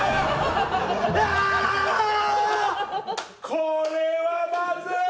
これはまずい！